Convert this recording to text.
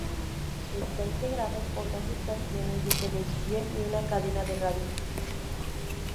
Está integrado por dos estaciones de televisión y una cadena de radio.